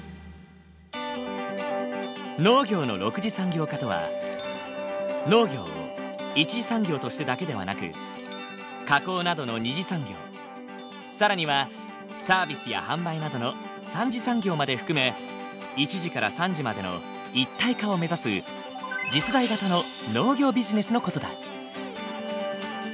農業の６次産業化とは農業を一次産業としてだけではなく加工などの二次産業更にはサービスや販売などの三次産業まで含め一次から三次までの一体化を目指す次世代型の農業ビジネスの事だ。